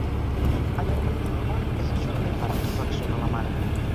Allò que no és normal és això que li fan, reflexiona la mare.